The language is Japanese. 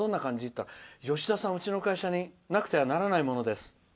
そうしたら、吉田さんはうちの会社になくてはならないものです。